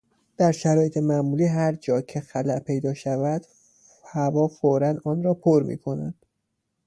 درشرایط معمولی هر جایکه خلاء پیدا شود؛ هوا فوراً آنرا پر میکند.